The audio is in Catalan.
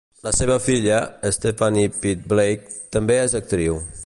La seva filla, Steffanie Pitt-Blake, també és actriu.